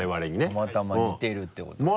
たまたま似てるってことね。